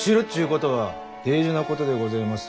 ことは大事なことでごぜます。